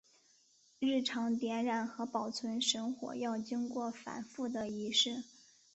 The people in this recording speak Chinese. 日常点燃和保存神火要经过繁复的仪式。